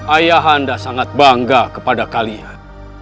ayah anda sangat bangga kepada kalian